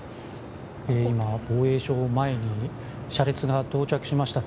今、防衛省前に車列が到着しました。